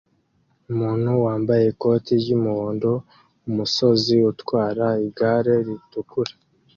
Umuntu wambaye ikoti ry'umuhondo umusozi utwara igare ritukura